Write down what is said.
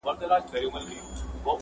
• پېړۍ و سوه جګړه د تورو سپینو د روانه,